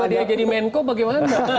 kalau tiba tiba dia jadi menko bagaimana